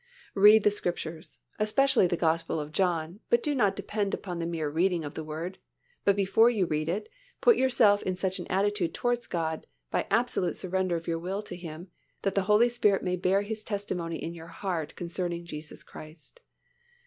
Read the Scriptures, read especially the Gospel of John but do not depend upon the mere reading of the Word, but before you read it, put yourself in such an attitude towards God by the absolute surrender of your will to Him that the Holy Spirit may bear His testimony in your heart concerning Jesus Christ.